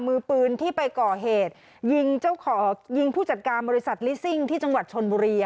มือปืนที่ไปก่อเหตุยิงเจ้าของยิงผู้จัดการบริษัทลิซิ่งที่จังหวัดชนบุรี